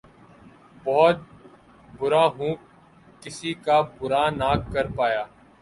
بہت بُرا ہُوں! کسی کا بُرا نہ کر پایا